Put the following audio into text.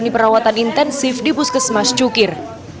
menjalani perawatan intensif di puskesmas cukir